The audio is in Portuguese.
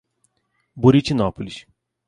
Buritinópolis